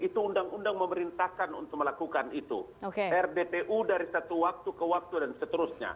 itu undang undang memerintahkan untuk melakukan itu rdpu dari satu waktu ke waktu dan seterusnya